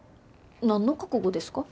何の覚悟ですか？